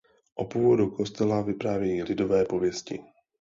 O původu kostela vyprávějí lidové pověsti.